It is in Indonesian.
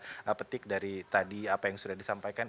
jadi kita petik dari tadi apa yang sudah disampaikan